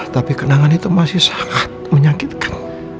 tapi kenangan itu masih sangat menyakitkan